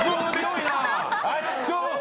圧勝。